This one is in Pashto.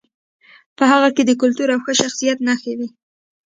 په هغې کې د کلتور او ښه شخصیت نښې وې